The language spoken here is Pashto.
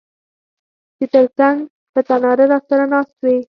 چي تر څنګ په تناره راسره ناست وې